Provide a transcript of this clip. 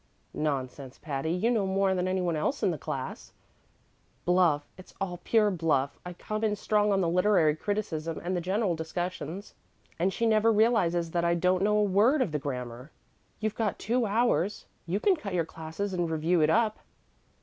"Nonsense, Patty; you know more than any one else in the class." "Bluff it's all pure bluff. I come in strong on the literary criticism and the general discussions, and she never realizes that I don't know a word of the grammar." "You've got two hours. You can cut your classes and review it up."